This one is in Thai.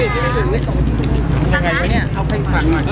นี้สวัสดีครับ